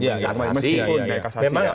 memang kuhap menyingkirkan